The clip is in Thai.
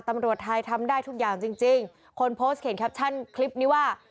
ตำรวจไทยทำได้ทุกอย่างจริงจริงคนโพสต์เขียนแคปชั่นคลิปนี้ว่า